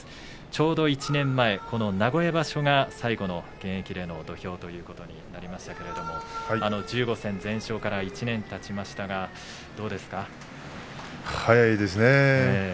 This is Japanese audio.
ちょうど１年前この名古屋場所が最後の現役での土俵ということになりましたけれども１５戦全勝から１年たちましたがどうですか。